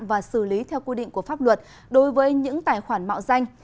và xử lý theo quy định của pháp luật đối với những tài khoản mạo danh